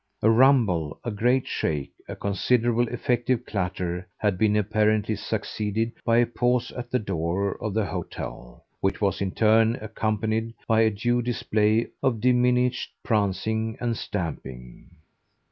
A rumble, a great shake, a considerable effective clatter, had been apparently succeeded by a pause at the door of the hotel, which was in turn accompanied by a due display of diminished prancing and stamping.